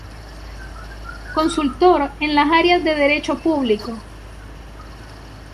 Consultor en las áreas de Derecho Público.